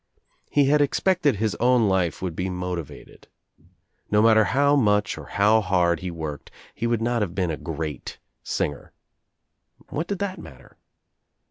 He had expected his own life would be motivated. No matter how much or how hard he worked he would not have been a great singer. What did that matter?